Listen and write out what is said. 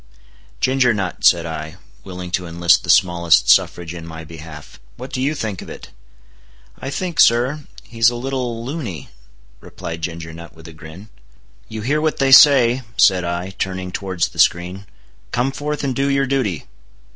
"Ginger Nut," said I, willing to enlist the smallest suffrage in my behalf, "what do you think of it?" "I think, sir, he's a little luny," replied Ginger Nut with a grin. "You hear what they say," said I, turning towards the screen, "come forth and do your duty."